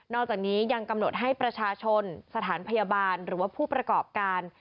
อกจากนี้ยังกำหนดให้ประชาชนสถานพยาบาลหรือว่าผู้ประกอบการ